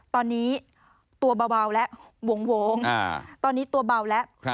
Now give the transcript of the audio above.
ตอนนี้ตัวเบาและโหง